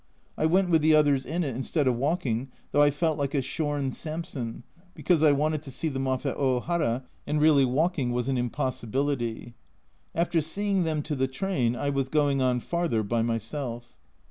I went with the others in it, instead of walk ing, though I felt like a shorn Samson, because I wanted to see them off at Ohara, and really walking was an impossibility. After seeing them to the train, I was going on farther by myself.